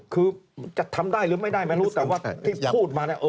คือจะทำได้หรือไม่ได้ไม่รู้แต่ว่าที่พูดมาเนี่ย